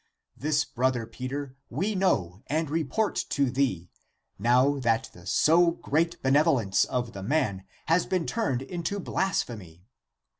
' This, brother Peter, we know and report to thee, now that the so great benevolence of the man has been turned into blasphemy.